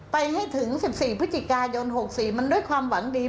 ไปให้ถึง๑๔พฤศจิกายน๖๔มันด้วยความหวังดี